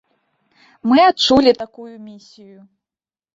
Мы адчулі такую місію.